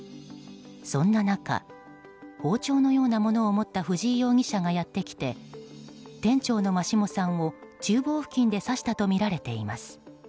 そんな中、包丁のようなものを持った藤井容疑者がやってきて店長の真下さんを厨房付近で刺したとみられています。